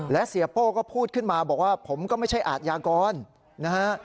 และเสียโป้ก็พูดขึ้นมาบอกว่าผมก็ไม่ใช่อาทยากรนะฮะ